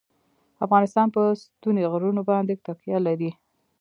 افغانستان په ستوني غرونه باندې تکیه لري.